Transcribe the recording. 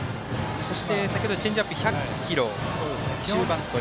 そして、チェンジアップ１００キロ中盤という。